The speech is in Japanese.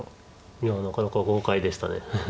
いやなかなか豪快でした。